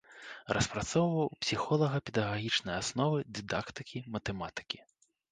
Распрацоўваў псіхолага-педагагічныя асновы дыдактыкі матэматыкі.